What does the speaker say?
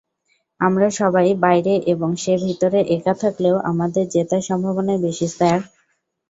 আমরা সবাই বাইরে এবং সে ভিতরে একা থাকলেও আমাদের জেতার সম্ভাবনাই বেশী, স্যার।